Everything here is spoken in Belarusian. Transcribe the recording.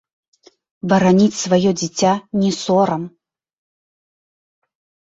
Бараніць сваё дзіця не сорам.